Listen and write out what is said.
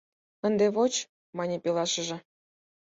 — Ынде воч, — мане пелашыже.